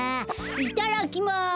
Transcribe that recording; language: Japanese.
いただきます！